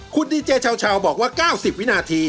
คุณดีเจชาวบอกว่า๙๐วินาที